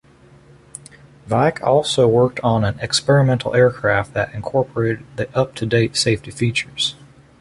Weick also worked on an experimental aircraft that incorporated the up-to-date safety features.